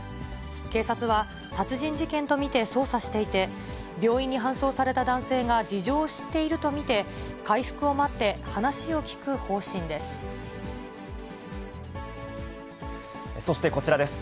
警察は、殺人事件と見て捜査していて、病院に搬送された男性が事情を知っていると見て、そしてこちらです。